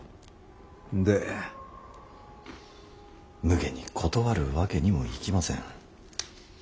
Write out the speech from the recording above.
むげに断るわけにもいきません。